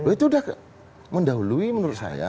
itu sudah mendahului menurut saya